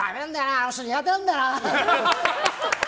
あの人苦手なんだよなーって。